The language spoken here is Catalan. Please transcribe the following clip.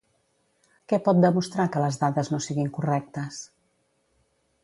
Què pot demostrar que les dades no siguin correctes?